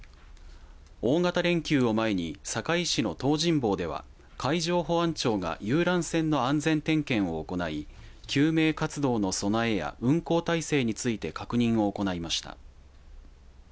大型連休を前に坂井市の東尋坊では海上保安庁が遊覧船の安全点検を行い救命活動の備えや運航体制について確認を行いました。